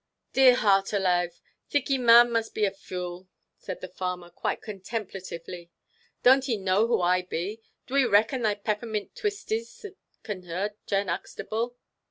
"Dear heart alaive. Thiccy man must be a fule," said the farmer quite contemplatively. "Don't e know who I be? Do e reckon they peppermint twistesses can hurt Jan Uxtable?